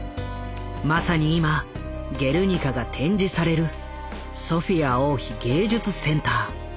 まさに今「ゲルニカ」が展示されるソフィア王妃芸術センター。